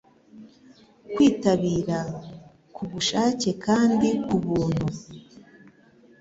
Kwitabira kubushake kandi kubuntu.